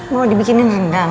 mau dibikinin rendang